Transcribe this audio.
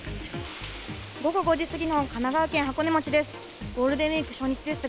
午後５時過ぎの神奈川県箱根町です。